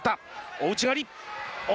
大内刈り！